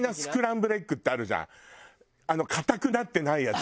あの硬くなってないやつ。